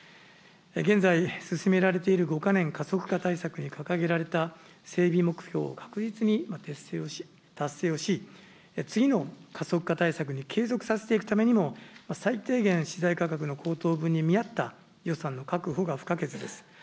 現在、進められている５か年加速化対策に掲げられた整備目標を確実に達成をし、次の加速化対策に継続させていくためにも、最低限、資材価格の高騰分に見合った予算の確保が不可欠です。